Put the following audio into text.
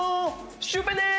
シュウペイでーす。